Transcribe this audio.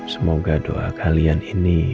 semoga doa kalian ini